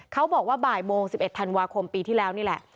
เขาบอกว่าบ่ายโมง๑๑ธันวาคมปีที่แล้วนี่แหละ